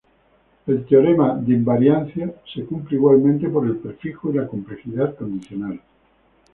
El teorema de invariancia se cumple igualmente por el prefijo y la complejidad condicional.